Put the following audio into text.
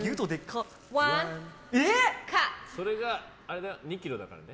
それが２ｋｇだからね。